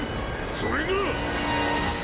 それが。